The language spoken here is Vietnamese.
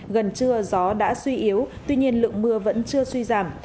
gần trưa gió đã suy yếu tuy nhiên lượng mưa vẫn chưa suy giảm